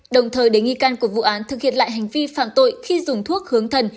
đồng thời để nghi can của vụ án thực hiện lại hành vi phạm tội khi dùng thuốc hướng thần